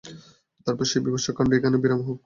তারপর সে বীভৎস কাণ্ড এইখানেই বিরাম হোক।